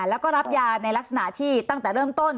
แล้วก็รับยาในลักษณะที่ตั้งแต่เริ่มต้น